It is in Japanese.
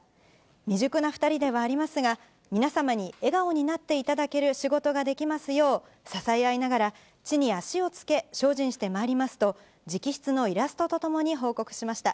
未熟な２人ではありますが、皆様に笑顔になっていただける仕事ができますよう、支え合いながら、地に足をつけ、精進してまいりますと、直筆のイラストとともに報告しました。